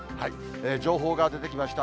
情報が出てきました。